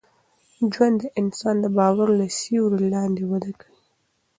ژوند د انسان د باور له سیوري لاندي وده کوي.